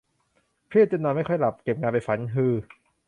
เครียดจนนอนไม่ค่อยหลับ เก็บงานไปฝัน ฮือ